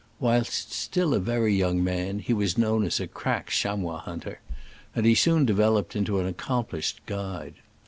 Whilst still a very young man he was known as a crack chamois hunter, and he soon de veloped into an accomplished guide.